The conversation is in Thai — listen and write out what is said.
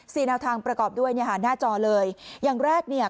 แนวทางประกอบด้วยเนี่ยค่ะหน้าจอเลยอย่างแรกเนี่ย